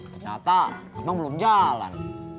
ternyata emang belum jalan